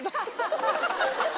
ハハハハ！